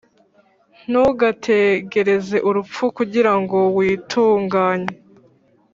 ntugategereze urupfu kugira ngo witunganye.